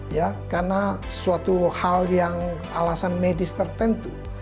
ya karena suatu hal yang alasan medis tertentu